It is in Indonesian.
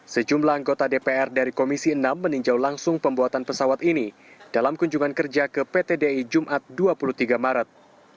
sejumlah anggota dpr dari komisi enam meninjau langsung pembuatan pesawat ini dalam kunjungan kerja ke pt di jumat dua puluh tiga maret